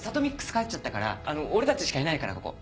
帰っちゃったから俺たちしかいないからここ。